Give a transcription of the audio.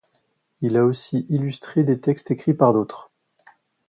Il a aussi illustré des textes écrits par d'autres.